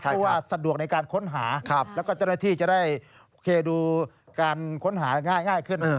เพราะว่าสะดวกในการค้นหาแล้วก็เจ้าหน้าที่จะได้เคดูการค้นหาง่ายขึ้น